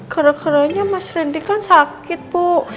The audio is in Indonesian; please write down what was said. karanya mas randy kan sakit bu